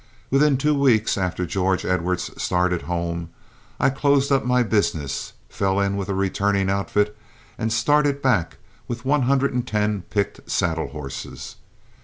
Within two weeks after George Edwards started home, I closed up my business, fell in with a returning outfit, and started back with one hundred and ten picked saddle horses.